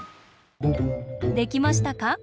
できましたか？